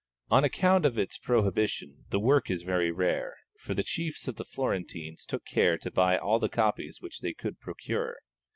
On account of its prohibition the work is very rare, for the chiefs of the Florentines took care to buy all the copies which they could procure.